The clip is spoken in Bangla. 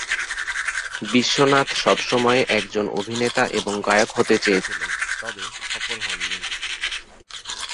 বিশ্বনাথন সবসময়ই একজন অভিনেতা এবং গায়ক হতে চেয়েছিলেন, তবে সফল হননি।